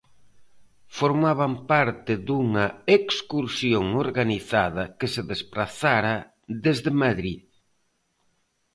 Formaban parte dunha excursión organizada que se desprazara desde Madrid.